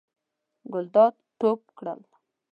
ګلداد ټوپ کړل.